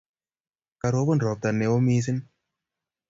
Karopon ropta ne o missing'